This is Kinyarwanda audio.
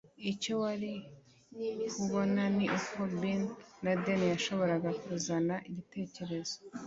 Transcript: Icyo wari kubona ni uko Bin Laden yashoboraga kuzana igitekerezo